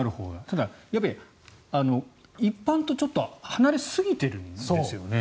ただ、一般と離れすぎているんですよね。